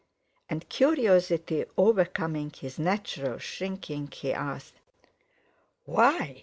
And, curiosity overcoming his natural shrinking, he asked: "Why?